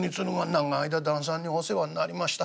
『長い間旦さんにお世話になりました。